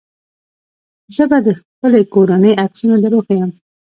زه به د خپلې کورنۍ عکسونه دروښيم.